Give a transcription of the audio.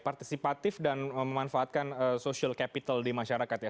partisipatif dan memanfaatkan social capital di masyarakat ya